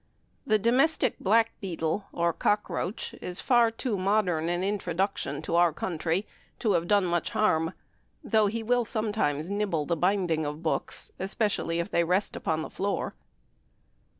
The domestic black beetle, or cockroach, is far too modern an introduction to our country to have done much harm, though he will sometimes nibble the binding of books, especially if they rest upon the floor.